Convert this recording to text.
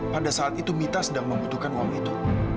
pada saat itu mita sedang membutuhkan uang itu